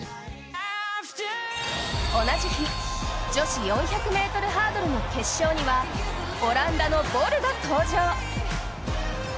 同じ日、女子４００ｍハードルの決勝にはオランダのボルが登場。